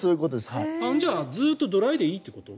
じゃあずっとドライでいいってこと？